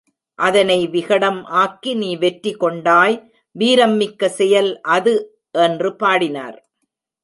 அதனை விகடம் ஆக்கி நீ வெற்றி கொண்டாய் வீரம் மிக்க செயல் அது என்று பாடினர்.